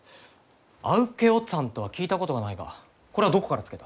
「ａｗｋｅｏｔｓａｎｇ」とは聞いたことがないがこれはどこから付けた？